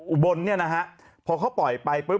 อุบลพอเขาปล่อยไป